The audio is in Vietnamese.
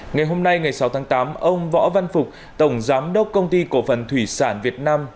ngày hôm nay ngày sáu tháng tám ông võ văn phục tổng giám đốc công ty cổ phần thủy sản việt nam